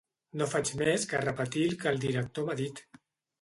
No faig més que repetir el que el director m'ha dit.